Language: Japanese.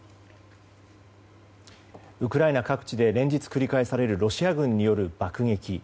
ウクライナ各地で連日繰り返されるロシア軍による爆撃。